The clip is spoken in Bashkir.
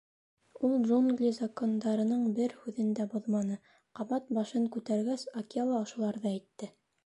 Ул Джунгли Закондарының бер һүҙен дә боҙманы, — ҡабат башын күтәргәс, Акела ошоларҙы әйтте.